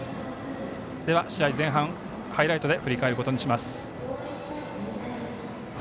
試合前半をハイライトで振り返ることにします。